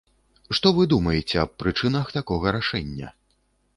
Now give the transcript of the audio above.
Што вы думаеце аб прычынах такога рашэння?